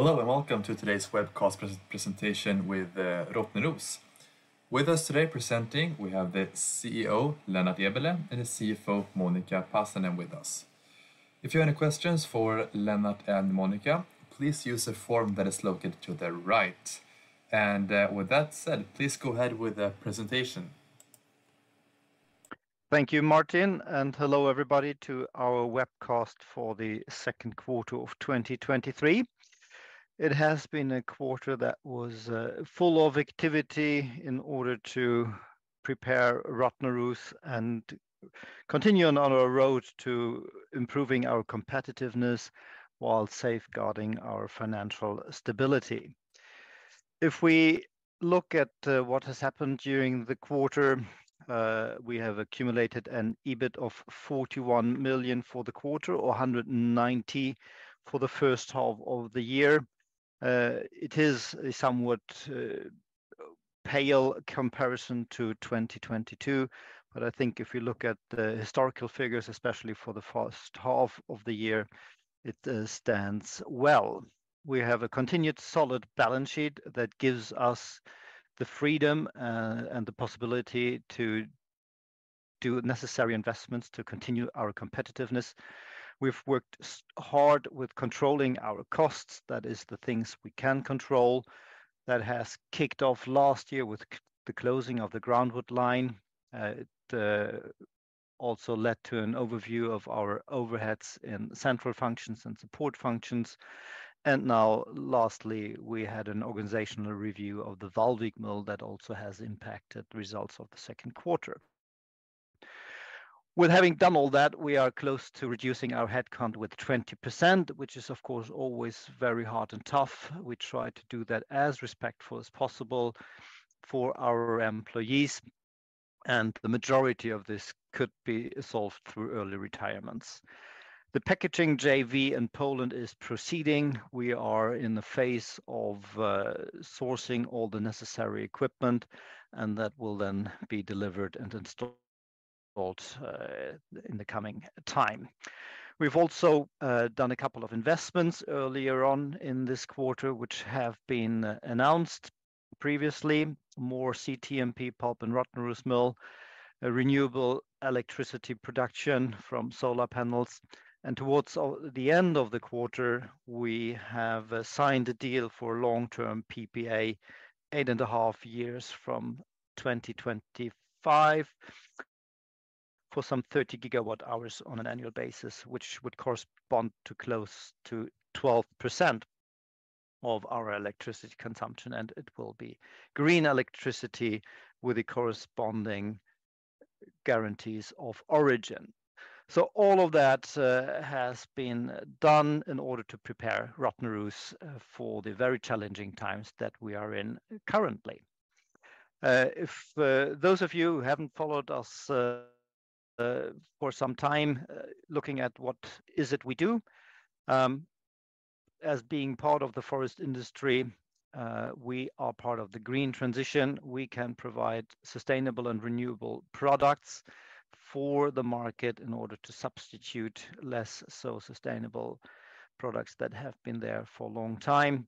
Hello, welcome to today's webcast presentation with Rottneros. With us today presenting, we have the CEO, Lennart Eberleh, and the CFO, Monica Pasanen, with us. If you have any questions for Lennart and Monica, please use the form that is located to the right. With that said, please go ahead with the presentation. Thank you, Martin. Hello, everybody, to our webcast for the 2nd quarter of 2023. It has been a quarter that was full of activity in order to prepare Rottneros and continuing on our road to improving our competitiveness while safeguarding our financial stability. We look at what has happened during the quarter. We have accumulated an EBIT of 41 million for the quarter, or 190 million for the 1st half of the year. It is a somewhat pale comparison to 2022, but I think if you look at the historical figures, especially for the 1st half of the year, it stands well. We have a continued solid balance sheet that gives us the freedom and the possibility to do necessary investments to continue our competitiveness. We've worked hard with controlling our costs, that is the things we can control. That has kicked off last year with the closing of the groundwood line. It also led to an overview of our overheads in central functions and support functions. Now, lastly, we had an organizational review of the Vallvik Mill that also has impacted the results of the second quarter. With having done all that, we are close to reducing our headcount with 20%, which is, of course, always very hard and tough. The majority of this could be solved through early retirements. The packaging JV in Poland is proceeding. We are in the phase of sourcing all the necessary equipment, and that will then be delivered and installed in the coming time. We've also done a couple of investments earlier on in this quarter, which have been announced previously. More CTMP pulp in Rottneros Mill, a renewable electricity production from solar panels, and towards the end of the quarter, we have signed a deal for long-term PPA, 8.5 years from 2025, for some 30 GWh on an annual basis, which would correspond to close to 12% of our electricity consumption, and it will be green electricity with the corresponding guarantees of origin. All of that has been done in order to prepare Rottneros for the very challenging times that we are in currently. If those of you who haven't followed us for some time, looking at what is it we do, as being part of the forest industry, we are part of the green transition. We can provide sustainable and renewable products for the market in order to substitute less so sustainable products that have been there for a long time.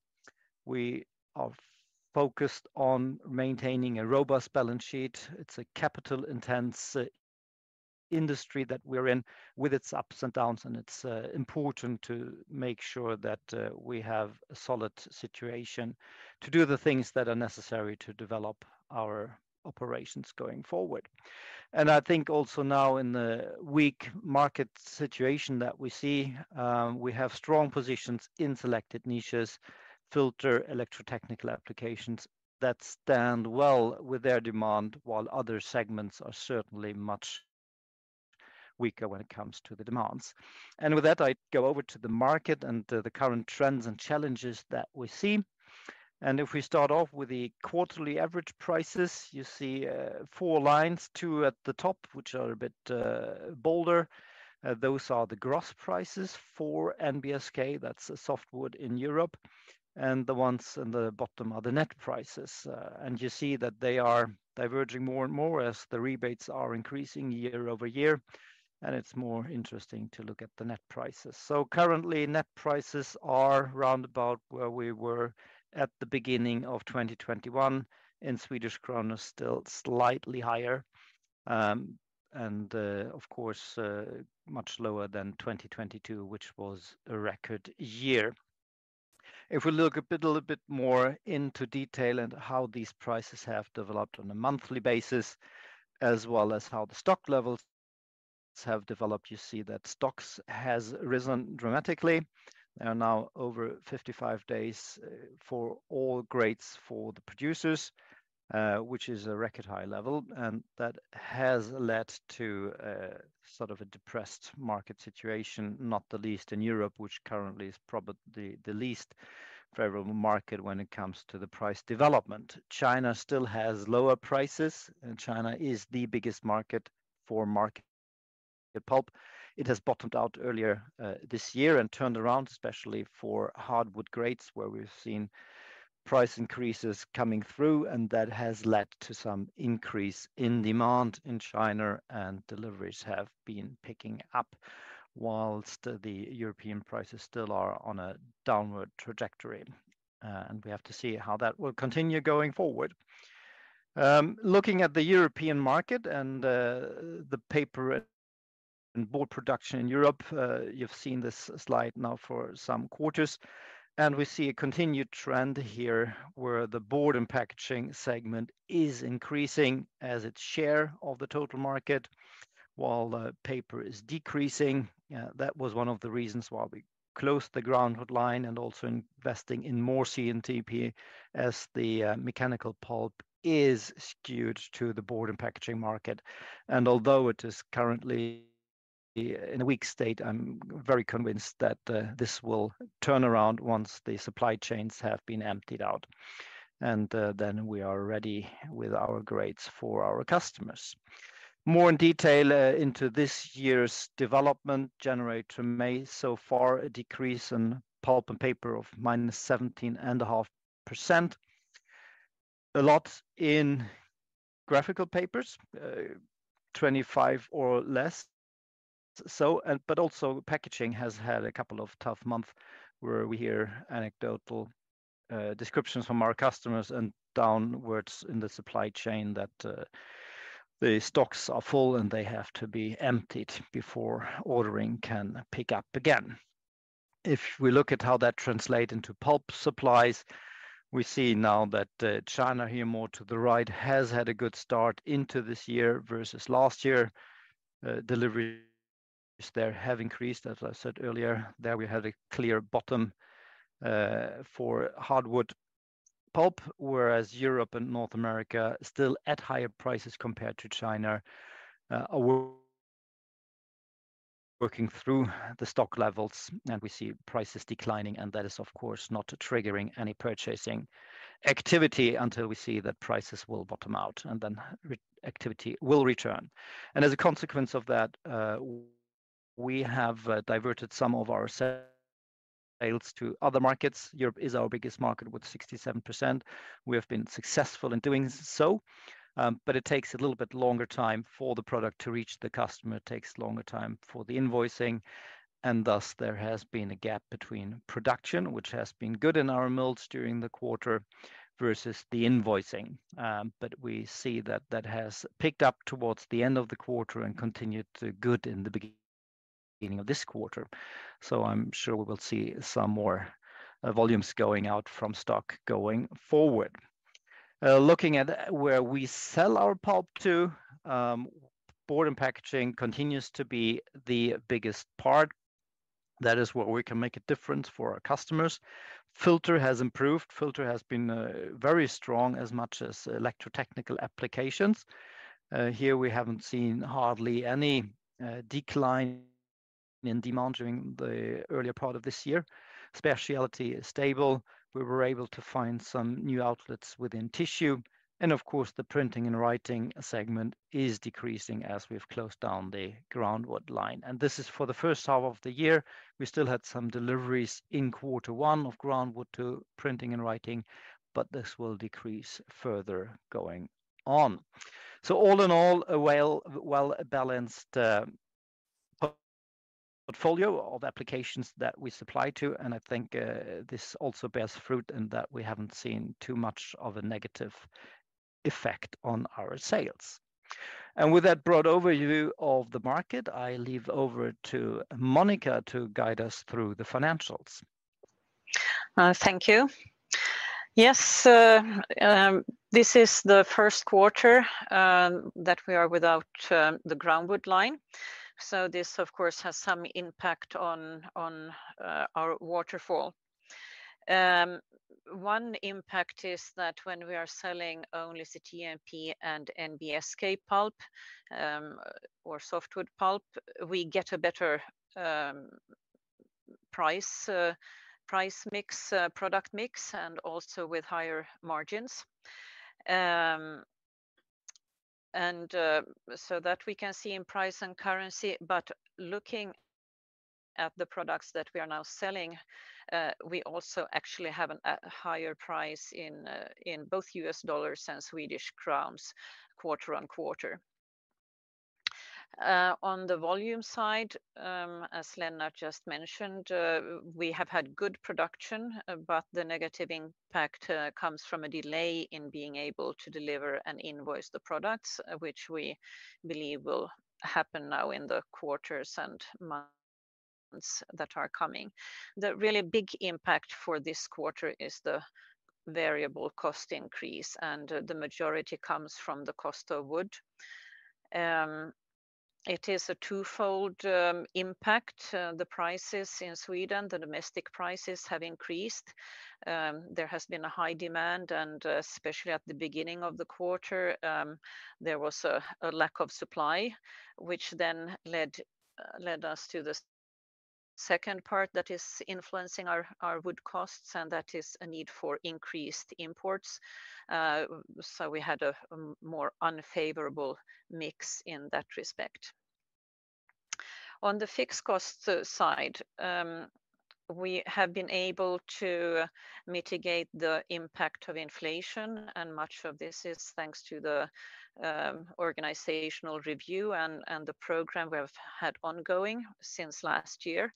We are focused on maintaining a robust balance sheet. It's a capital-intense industry that we're in, with its ups and downs, and it's important to make sure that we have a solid situation to do the things that are necessary to develop our operations going forward. I think also now in the weak market situation that we see, we have strong positions in selected niches, filter electrotechnical applications, that stand well with their demand, while other segments are certainly much weaker when it comes to the demands. With that, I go over to the market and the current trends and challenges that we see. If we start off with the quarterly average prices, you see 4 lines, 2 at the top, which are a bit bolder. Those are the gross prices for NBSK, that's a softwood in Europe, and the ones in the bottom are the net prices. You see that they are diverging more and more as the rebates are increasing year-over-year, and it's more interesting to look at the net prices. Currently, net prices are roundabout where we were at the beginning of 2021, in Swedish krona, still slightly higher. Of course, much lower than 2022, which was a record year. If we look a bit, a little bit more into detail and how these prices have developed on a monthly basis, as well as how the stock levels have developed, you see that stocks has risen dramatically. They are now over 55 days for all grades for the producers, which is a record high level, and that has led to sort of a depressed market situation, not the least in Europe, which currently is probably the least favorable market when it comes to the price development. China still has lower prices, and China is the biggest market for market pulp. It has bottomed out earlier this year and turned around, especially for hardwood grades, where we've seen- price increases coming through, and that has led to some increase in demand in China, and deliveries have been picking up, whilst the European prices still are on a downward trajectory. We have to see how that will continue going forward. Looking at the European market and the paper and board production in Europe, you've seen this slide now for some quarters, and we see a continued trend here, where the board and packaging segment is increasing as its share of the total market, while paper is decreasing. Yeah, that was one of the reasons why we closed the groundwood line and also investing in more CTMP, as the mechanical pulp is skewed to the board and packaging market. Although it is currently in a weak state, I'm very convinced that this will turn around once the supply chains have been emptied out, and then we are ready with our grades for our customers. More in detail, into this year's development, January to May, so far, a decrease in pulp and paper of -17.5%. A lot in graphical papers, 25 or less so, but also, packaging has had a couple of tough months, where we hear anecdotal descriptions from our customers and downwards in the supply chain, that the stocks are full, and they have to be emptied before ordering can pick up again. If we look at how that translates into pulp supplies, we see now that China, here more to the right, has had a good start into this year versus last year. Deliveries there have increased. As I said earlier, there we had a clear bottom for hardwood pulp, whereas Europe and North America, still at higher prices compared to China, are working through the stock levels, and we see prices declining. That is, of course, not triggering any purchasing activity until we see that prices will bottom out, and then activity will return. As a consequence of that, we have diverted some of our sales to other markets. Europe is our biggest market, with 67%. We have been successful in doing so, but it takes a little bit longer time for the product to reach the customer. It takes longer time for the invoicing, and thus there has been a gap between production, which has been good in our mills during the quarter, versus the invoicing. We see that that has picked up towards the end of the quarter and continued good in the beginning of this quarter, so I'm sure we will see some more volumes going out from stock going forward. Looking at where we sell our pulp to, board and packaging continues to be the biggest part. That is where we can make a difference for our customers. Filter has improved. Filter has been very strong, as much as electrotechnical applications. Here we haven't seen hardly any decline in demand during the earlier part of this year. Specialty is stable. We were able to find some new outlets within tissue, and of course, the printing and writing segment is decreasing as we've closed down the groundwood line. This is for the first half of the year. We still had some deliveries in quarter one of groundwood to printing and writing. This will decrease further going on. All in all, a well-balanced portfolio of applications that we supply to, and I think this also bears fruit in that we haven't seen too much of a negative effect on our sales. With that broad overview of the market, I leave over to Monica to guide us through the financials. Thank you. Yes, this is the first quarter that we are without the groundwood line, so this, of course, has some impact on our waterfall. One impact is that when we are selling only CTMP and NBSK pulp, or softwood pulp, we get a better price mix, product mix, and also with higher margins. That we can see in price and currency, but looking at the products that we are now selling, we also actually have a higher price in both US dollars and Swedish crowns, quarter-on-quarter. On the volume side, as Lennart just mentioned, we have had good production. The negative impact comes from a delay in being able to deliver and invoice the products, which we believe will happen now in the quarters and months that are coming. The really big impact for this quarter is the variable cost increase. The majority comes from the cost of wood. It is a twofold impact. The prices in Sweden, the domestic prices, have increased. There has been a high demand, and especially at the beginning of the quarter, there was a lack of supply, which then led us to the second part that is influencing our wood costs, and that is a need for increased imports. We had a more unfavorable mix in that respect. On the fixed costs side, we have been able to mitigate the impact of inflation, and much of this is thanks to the organizational review and the program we have had ongoing since last year.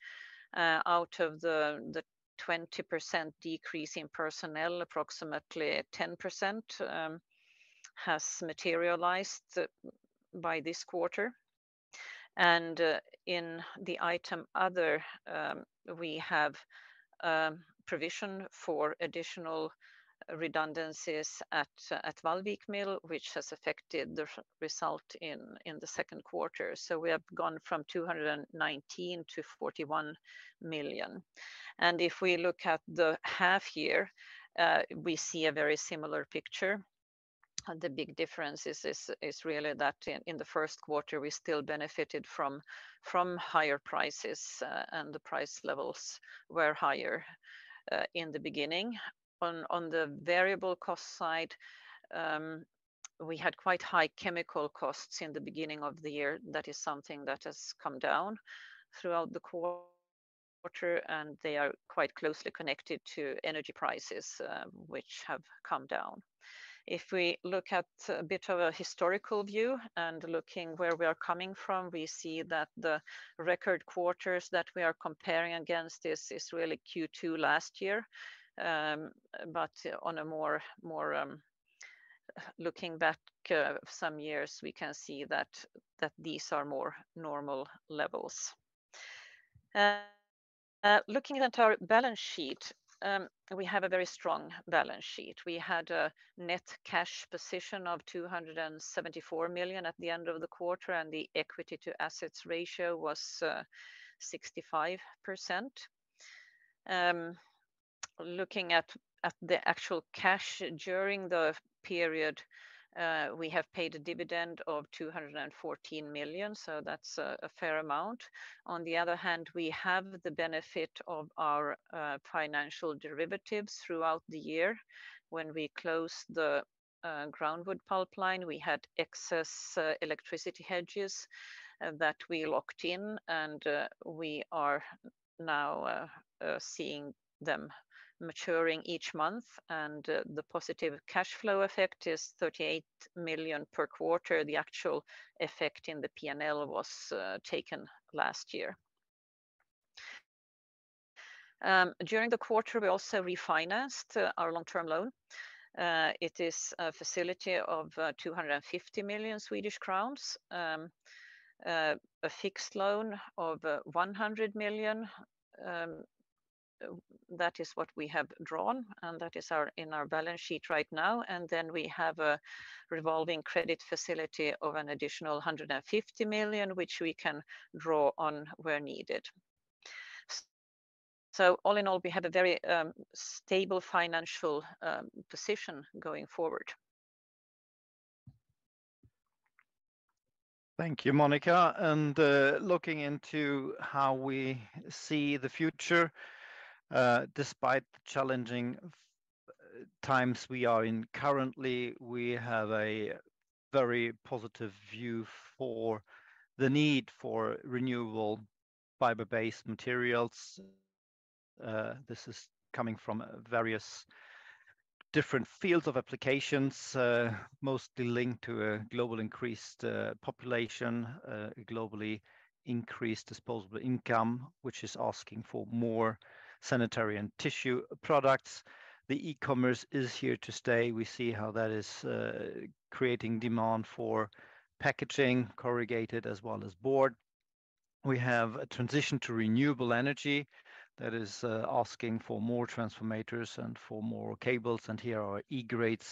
Out of the 20% decrease in personnel, approximately 10% has materialized by this quarter. In the item other, we have provision for additional redundancies at Vallvik Mill, which has affected the result in the second quarter. So we have gone from 219 million to 41 million. If we look at the half year, we see a very similar picture. The big difference is really that in the 1st quarter, we still benefited from higher prices, and the price levels were higher in the beginning. On the variable cost side, we had quite high chemical costs in the beginning of the year. That is something that has come down throughout the quarter, and they are quite closely connected to energy prices, which have come down. If we look at a bit of a historical view and looking where we are coming from, we see that the record quarters that we are comparing against this is really Q2 last year. On a more looking back some years, we can see that these are more normal levels. Looking at our balance sheet, we have a very strong balance sheet. We had a net cash position of 274 million at the end of the quarter, and the equity to assets ratio was 65%. Looking at the actual cash during the period, we have paid a dividend of 214 million, so that's a fair amount. On the other hand, we have the benefit of our financial derivatives throughout the year. When we closed the groundwood pulp line, we had excess electricity hedges that we locked in, and we are now seeing them maturing each month. The positive cash flow effect is 38 million per quarter. The actual effect in the PNL was taken last year. During the quarter, we also refinanced our long-term loan. It is a facility of 250 million Swedish crowns. A fixed loan of 100 million. That is what we have drawn, and that is our, in our balance sheet right now. We have a revolving credit facility of an additional 150 million, which we can draw on where needed. All in all, we have a very stable financial position going forward. Thank you, Monica. Looking into how we see the future, despite the challenging times we are in currently, we have a very positive view for the need for renewable fiber-based materials. This is coming from various different fields of applications, mostly linked to a global increased population, globally increased disposable income, which is asking for more sanitary and tissue products. The e-commerce is here to stay. We see how that is creating demand for packaging, corrugated, as well as board. We have a transition to renewable energy that is asking for more transformators and for more cables, and here our E-grade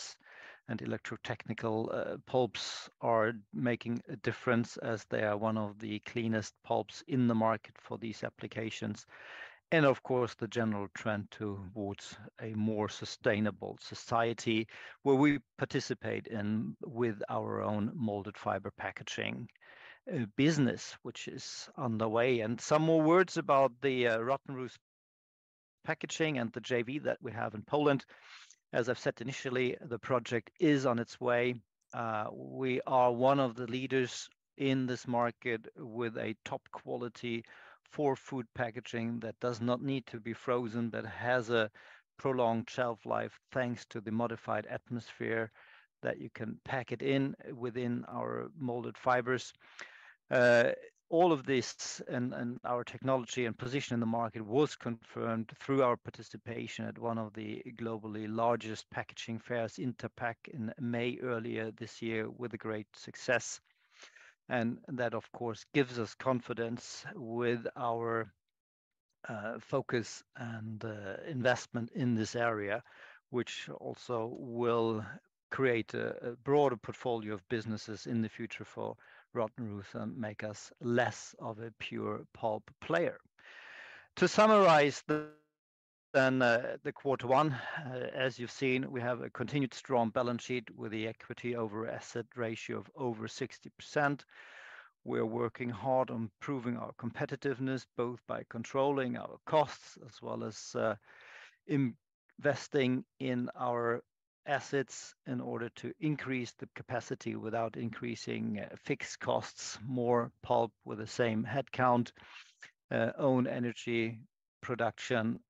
and electrotechnical pulps are making a difference, as they are one of the cleanest pulps in the market for these applications. Of course, the general trend towards a more sustainable society, where we participate in with our own molded fiber packaging business, which is on the way. Some more words about the Rottneros Packaging and the JV that we have in Poland. As I've said initially, the project is on its way. We are one of the leaders in this market with a top quality for food packaging that does not need to be frozen, but has a prolonged shelf life, thanks to the modified atmosphere that you can pack it in within our molded fibers. All of this and our technology and position in the market was confirmed through our participation at one of the globally largest packaging fairs, interpack, in May, earlier this year, with a great success. That, of course, gives us confidence with our focus and investment in this area, which also will create a broader portfolio of businesses in the future for Rottneros and make us less of a pure pulp player. To summarize the quarter one, as you've seen, we have a continued strong balance sheet with the equity to assets ratio of over 60%. We're working hard on improving our competitiveness, both by controlling our costs as well as investing in our assets in order to increase the capacity without increasing fixed costs, more pulp with the same headcount, own energy production,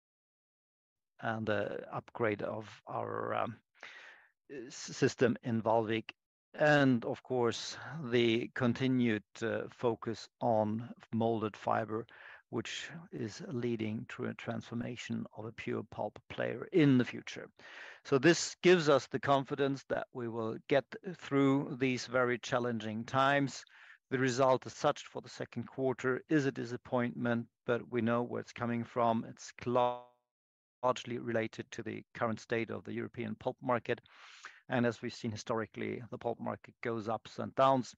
and upgrade of our system in Vallvik. Of course, the continued focus on molded fiber, which is leading to a transformation of a pure pulp player in the future. This gives us the confidence that we will get through these very challenging times. The result, as such, for the second quarter is a disappointment, but we know where it's coming from. It's largely related to the current state of the European pulp market, and as we've seen historically, the pulp market goes ups and downs,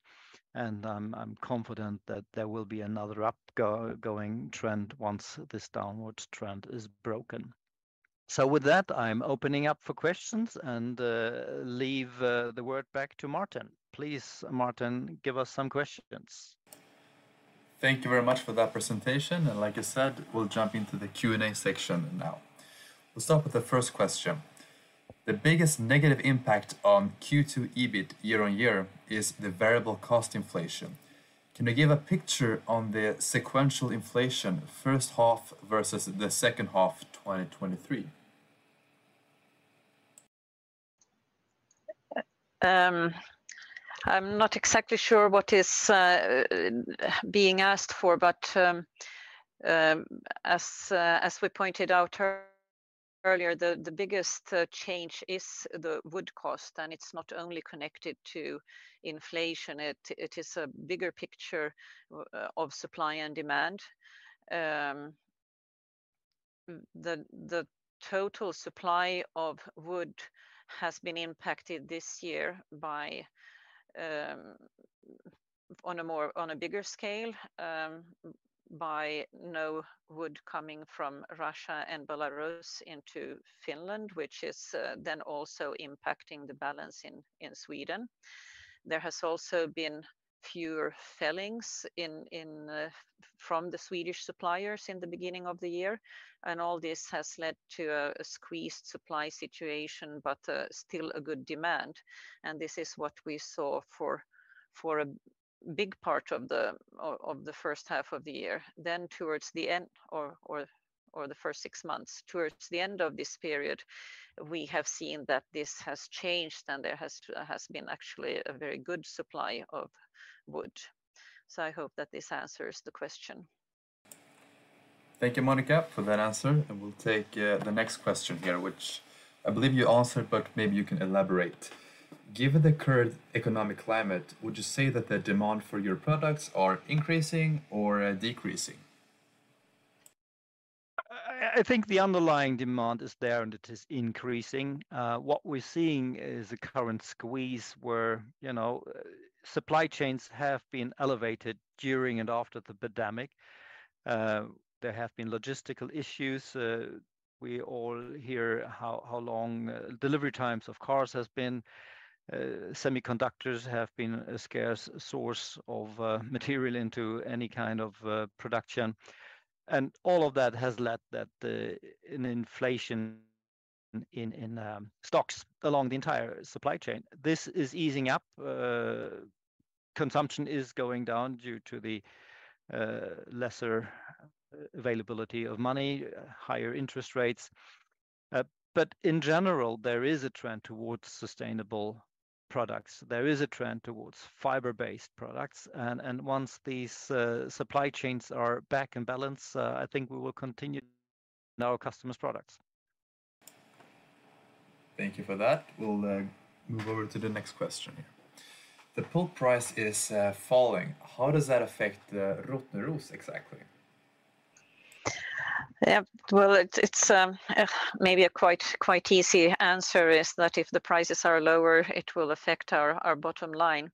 I'm confident that there will be another going trend once this downwards trend is broken. With that, I'm opening up for questions, and leave the word back to Martin. Please, Martin, give us some questions. Thank you very much for that presentation, and like I said, we'll jump into the Q&A section now. We'll start with the first question. The biggest negative impact on Q2 EBIT year-on-year is the variable cost inflation. Can you give a picture on the sequential inflation, 1st half versus the 2nd half 2023? I'm not exactly sure what is being asked for, but as we pointed out earlier, the biggest change is the wood cost, and it's not only connected to inflation. It is a bigger picture of supply and demand. The total supply of wood has been impacted this year by on a bigger scale by no wood coming from Russia and Belarus into Finland, which is then also impacting the balance in Sweden. There has also been fewer fellings in from the Swedish suppliers in the beginning of the year. All this has led to a squeezed supply situation. Still a good demand. This is what we saw for a big part of the first half of the year. Towards the end, or the first six months, towards the end of this period, we have seen that this has changed. There has been actually a very good supply of wood. I hope that this answers the question. Thank you, Monica, for that answer. We'll take the next question here, which I believe you answered, but maybe you can elaborate. Given the current economic climate, would you say that the demand for your products are increasing or decreasing? I think the underlying demand is there, and it is increasing. What we're seeing is a current squeeze where, you know, supply chains have been elevated during and after the pandemic. There have been logistical issues. We all hear how long delivery times of cars has been. Semiconductors have been a scarce source of material into any kind of production, and all of that has led that an inflation in stocks along the entire supply chain. This is easing up. Consumption is going down due to the lesser availability of money, higher interest rates. In general, there is a trend towards sustainable products. There is a trend towards fiber-based products, and once these supply chains are back in balance, I think we will continue in our customers' products. Thank you for that. We'll move over to the next question here. The pulp price is falling. How does that affect the Rottneros exactly? Yep. Well, it's maybe a quite easy answer, is that if the prices are lower, it will affect our bottom line.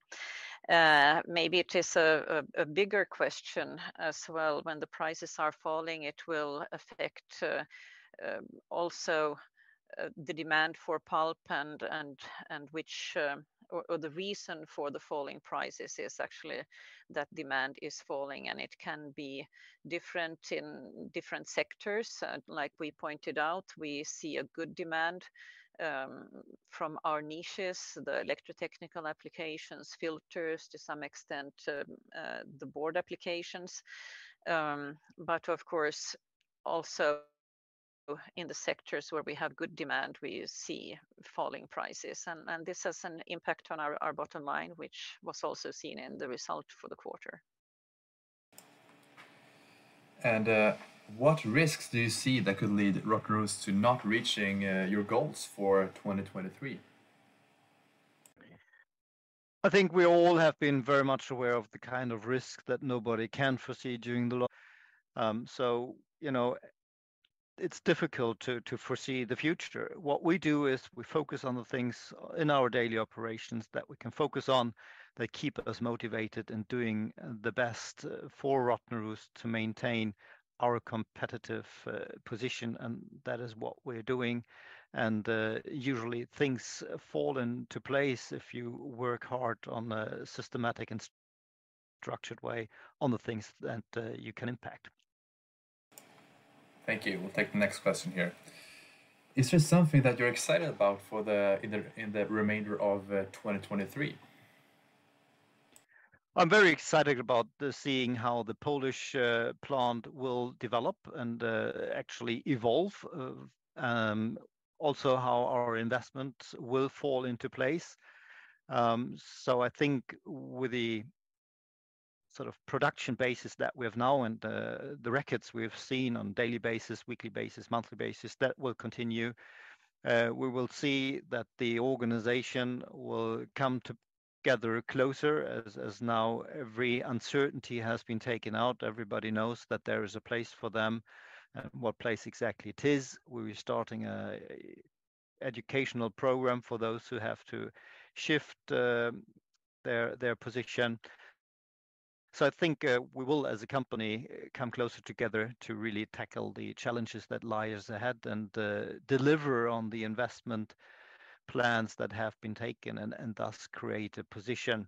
Maybe it is a bigger question as well. When the prices are falling, it will affect also the demand for pulp and which, or the reason for the falling prices is actually that demand is falling, and it can be different in different sectors. Like we pointed out, we see a good demand from our niches, the electrotechnical applications, filters, to some extent, the board applications. But of course, also in the sectors where we have good demand, we see falling prices and this has an impact on our bottom line, which was also seen in the result for the quarter. What risks do you see that could lead Rottneros to not reaching, your goals for 2023? I think we all have been very much aware of the kind of risk that nobody can foresee during the. You know, it's difficult to foresee the future. What we do is we focus on the things in our daily operations that we can focus on, that keep us motivated and doing the best for Rottneros to maintain our competitive position. That is what we're doing. Usually, things fall into place if you work hard on a systematic structured way on the things that you can impact. Thank you. We'll take the next question here. Is there something that you're excited about in the remainder of 2023? I'm very excited about the seeing how the Polish plant will develop and actually evolve. Also how our investment will fall into place. I think with the sort of production basis that we have now and the records we've seen on daily basis, weekly basis, monthly basis, that will continue. We will see that the organization will come together closer, as now every uncertainty has been taken out. Everybody knows that there is a place for them, and what place exactly it is. We're starting a educational program for those who have to shift their position. I think, we will, as a company, come closer together to really tackle the challenges that lies ahead and deliver on the investment plans that have been taken, and thus create a position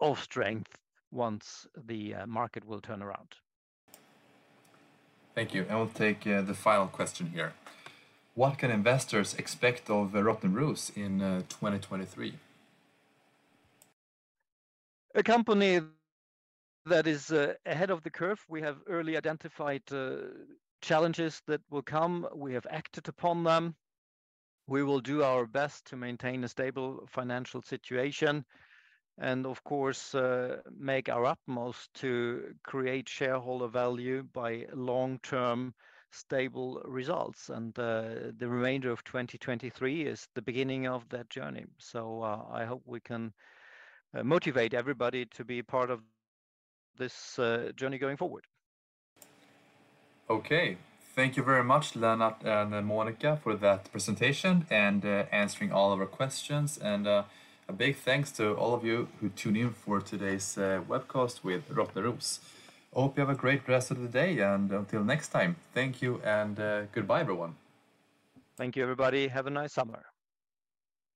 of strength once the market will turn around. Thank you. We'll take the final question here: What can investors expect of Rottneros in 2023? A company that is ahead of the curve. We have early identified challenges that will come. We have acted upon them. We will do our best to maintain a stable financial situation and, of course, make our utmost to create shareholder value by long-term, stable results. The remainder of 2023 is the beginning of that journey, so I hope we can motivate everybody to be a part of this journey going forward. Okay. Thank you very much, Lennart and Monica, for that presentation and answering all of our questions. A big thanks to all of you who tuned in for today's webcast with Rottneros. Hope you have a great rest of the day, and until next time, thank you and goodbye, everyone. Thank you, everybody. Have a nice summer.